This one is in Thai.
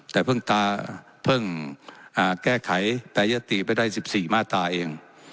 แต่เพิ่งแก้ไขแปรยติไปได้๑๔มาตราเอง